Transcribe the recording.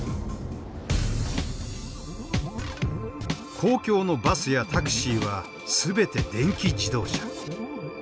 公共のバスやタクシーは全て電気自動車。